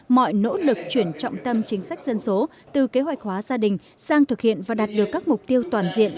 mọi nỗ lực chuyển trọng tâm chính sách dân số từ kế hoạch hóa gia đình sang thực hiện và đạt được các mục tiêu toàn diện